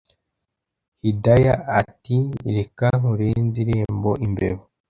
Hidaya atiahaaaa reka nkurenze irembo imbeba